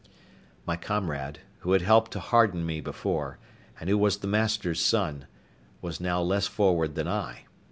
My comrade, who had helped to harden me before, and who was the master's son, was now less forward than I.